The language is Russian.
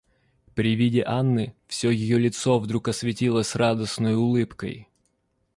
При виде Анны всё ее лицо вдруг осветилось радостною улыбкой.